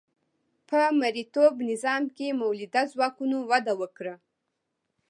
په مرئیتوب نظام کې مؤلده ځواکونو وده وکړه.